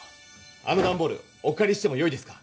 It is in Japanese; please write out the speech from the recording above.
あのダンボールおかりしてもよいですか？